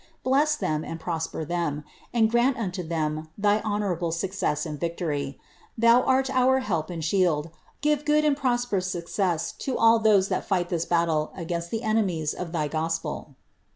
Bless then". «nil prosper them ; and grant unto them Thy honourable success and victory. Thn ' Lingard. BLISABBTR. T9 oar help and shield : O give good and prosperons soooets to ill thoeO fhat t this battle sgaiost the enemies of Thj gospel."